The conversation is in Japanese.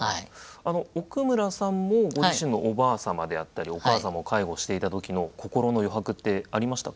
奥村さんもご自身のおばあ様であったりお母様を介護していた時の心の余白ってありましたか？